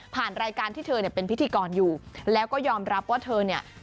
รายการที่เธอเนี่ยเป็นพิธีกรอยู่แล้วก็ยอมรับว่าเธอเนี่ย